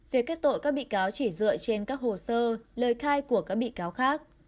về kết tội các bị cáo chỉ dựa trên các hồ sơ lời khai của các bị cáo khác